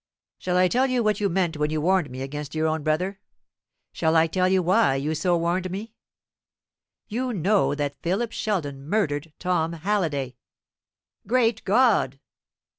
"Shall I tell you what you meant when you warned me against your own brother? Shall I tell you why you so warned me? You know that Philip Sheldon murdered Tom Halliday." "Great God!"